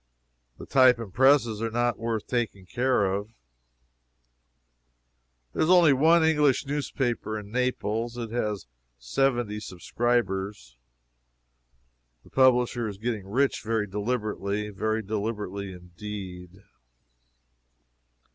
The type and presses are not worth taking care of. There is only one English newspaper in Naples. It has seventy subscribers. The publisher is getting rich very deliberately very deliberately indeed.